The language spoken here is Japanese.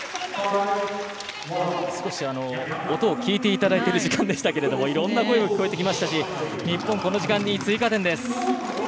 少し、音を聞いていただいている時間でしたがいろんな声が聞こえてきましたし日本、この時間に追加点です。